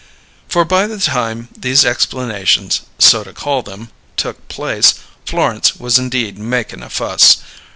For by the time these explanations (so to call them) took place, Florence was indeed makin' a fuss.